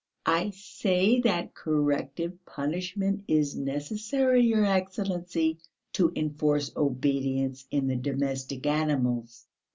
"I say that corrective punishment is necessary, your Excellency, to enforce obedience in the domestic animals."